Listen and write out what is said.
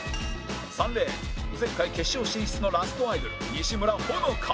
３レーン前回決勝進出のラストアイドル西村歩乃果